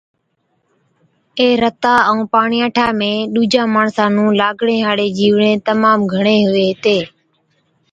اي رتا ائُون پاڻِياٺا ۾ ڏُوجان ماڻسان نُون لاگڻي هاڙين جِيوڙَين تمام گھڻي هُوَي هِتين۔